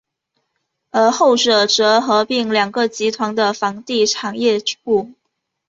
而后者则合并两个集团的房地产业务。